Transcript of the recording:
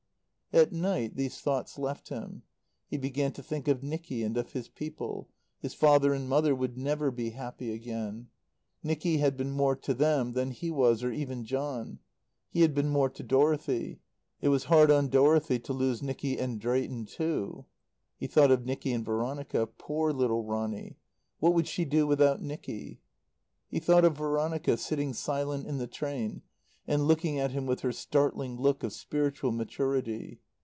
At night these thoughts left him. He began to think of Nicky and of his people. His father and mother would never be happy again. Nicky had been more to them than he was, or even John. He had been more to Dorothy. It was hard on Dorothy to lose Nicky and Drayton too. He thought of Nicky and Veronica. Poor little Ronny, what would she do without Nicky? He thought of Veronica, sitting silent in the train, and looking at him with her startling look of spiritual maturity.